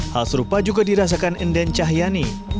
hal serupa juga dirasakan enden cahyani